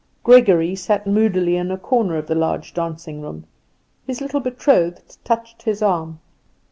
Gregory sat moodily in a corner of the large dancing room. His little betrothed touched his arm.